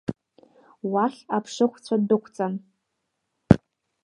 Уахь аԥшыхәцәа дәықәҵан.